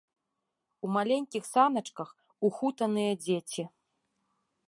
У маленькіх саначках ухутаныя дзеці.